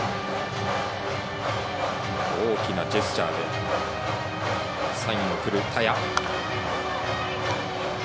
大きなジェスチャーでサインを送る田屋。